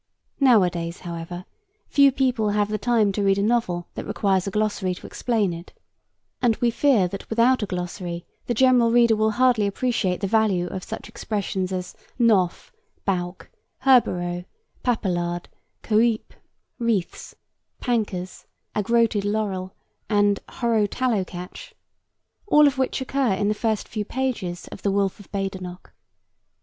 Nowadays, however, few people have the time to read a novel that requires a glossary to explain it, and we fear that without a glossary the general reader will hardly appreciate the value of such expressions as 'gnoffe,' 'bowke,' 'herborow,' 'papelarde,' 'couepe,' 'rethes,' 'pankers,' 'agroted lorrel,' and 'horrow tallow catch,' all of which occur in the first few pages of The Wolfe of Badenoch.